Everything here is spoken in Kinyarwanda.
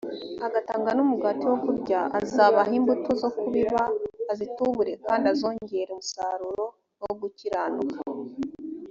agatanga n umugati wo kurya azabaha imbuto zo kubiba azitubure kandi azongera umusaruro wo gukiranuka